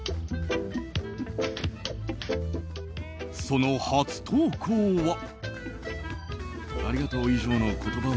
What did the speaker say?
その初投稿は。